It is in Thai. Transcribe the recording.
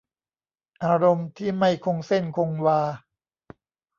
อารมณ์ที่ไม่คงเส้นคงวา